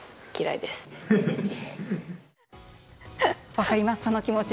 分かります、その気持ち。